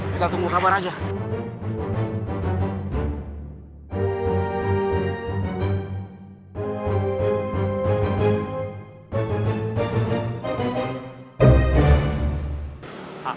kita tunggu kabar aja